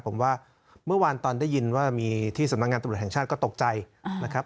ผมว่าเมื่อวานตอนได้ยินว่ามีที่สำนักงานตำรวจแห่งชาติก็ตกใจนะครับ